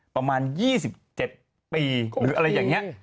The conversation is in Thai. ประมาณ๒๗ปีหรืออะไรอย่างนี้